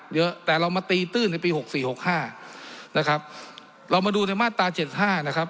เยอะแต่เรามาตีตื้นในปีหกสี่หกห้านะครับเรามาดูในมาตราเจ็ดห้านะครับ